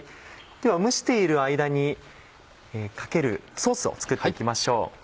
では蒸している間にかけるソースを作って行きましょう。